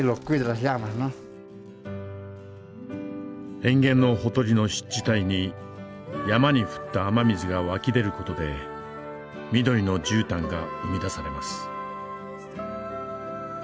塩原のほとりの湿地帯に山に降った雨水が湧き出る事で緑のじゅうたんが生み出されます。